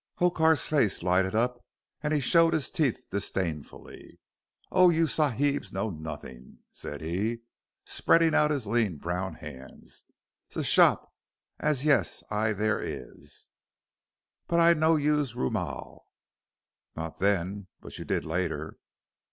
Hokar's face lighted up, and he showed his teeth disdainfully. "Oh, you Sahibs know nozzin'!" said he, spreading out his lean brown hands. "Ze shops ah, yis. I there, yis. But I use no roomal." "Not then, but you did later."